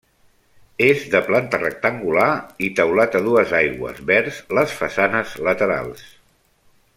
És de planta rectangular i teulat a dues aigües vers les façanes laterals.